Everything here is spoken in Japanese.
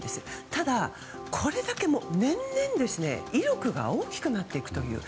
ただ、これだけ年々威力が大きくなっていくという。